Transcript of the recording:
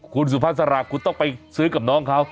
คุณสุภาษาราคุณต้องไปซื้อกับน้องเขา